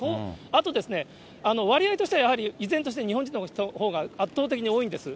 あと、割合としてはやはり、依然として日本人の人のほうが圧倒的に多いんです。